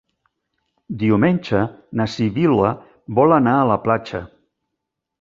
Diumenge na Sibil·la vol anar a la platja.